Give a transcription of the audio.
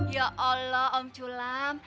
ya allah om culam